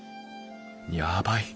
やばい。